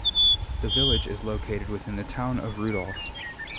The village is located within the Town of Rudolph.